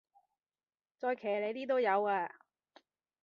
再騎呢啲都有啊